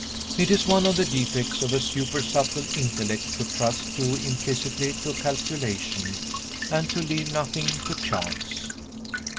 It is one of the defects of a super subtle intellect to trust too implicitly to calculation, and to leave nothing to chance.